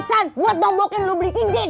saya mengungduk khasil membeli pinjaman